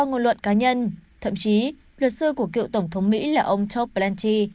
ngôn luận cá nhân thậm chí luật sư của cựu tổng thống mỹ là ông todd blanchett